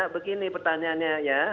begini pertanyaannya ya